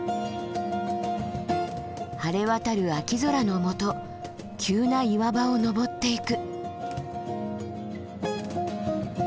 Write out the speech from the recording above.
晴れ渡る秋空のもと急な岩場を登っていく。